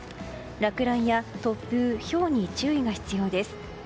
落雷や突風、ひょうに注意が必要です。